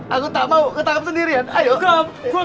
aku tak mau ketangkep sendirian